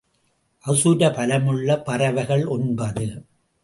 அசுர பலமுள்ள பறவைகள் ஒன்பது.